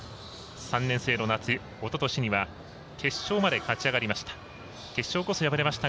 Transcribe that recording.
３年生の夏、おととしには決勝まで勝ち上がりました。